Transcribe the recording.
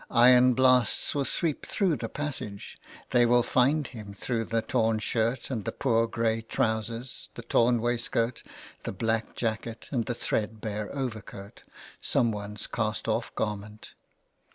" Iron blasts will sweep through the passage ; they will find him through the torn shirt and the poor grey trousers, the torn waistcoat, the black jacket, and the thread bare overcoat — someone's cast off garment.